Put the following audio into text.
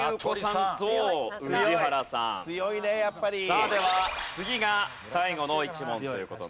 さあでは次が最後の１問という事になります。